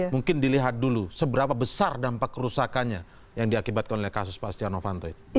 mungkin dilihat dulu seberapa besar dampak kerusakannya yang diakibatkan oleh kasus pak setia novanto ini